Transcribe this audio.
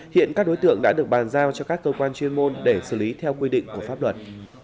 hiện các đối tượng đã được bàn giao cho các cơ quan chuyên môn để xử lý theo quy định của pháp luật